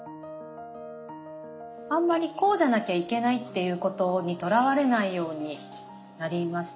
あんまりこうじゃなきゃいけないっていうことにとらわれないようになりました。